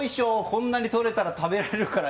こんなにとれたら食べられるかな。